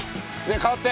代わって。